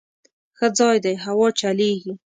_ښه ځای دی، هوا چلېږي.